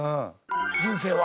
人生は。